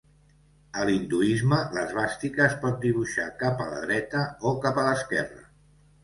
A l'hinduisme l'esvàstica es pot dibuixar cap a la dreta o cap a l'esquerra.